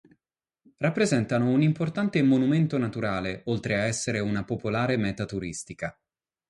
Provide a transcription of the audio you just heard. Rappresentano un importante monumento naturale, oltre a essere una popolare meta turistica.